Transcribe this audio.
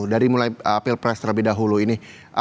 dari mulai pilpres terlebih dahulu ini